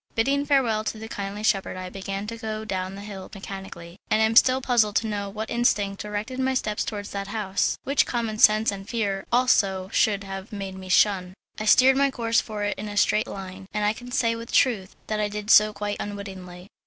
Bidding farewell to the kindly shepherd I began to go down the hill mechanically, and I am still puzzled to know what instinct directed my steps towards that house, which common sense and fear also should have made me shun. I steered my course for it in a straight line, and I can say with truth that I did so quite unwittingly.